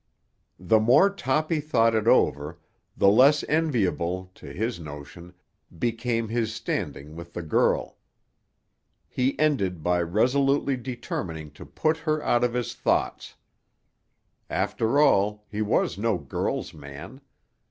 The more Toppy thought it over the less enviable, to his notion, became his standing with the girl. He ended by resolutely determining to put her out of his thoughts. After all, he was no girl's man.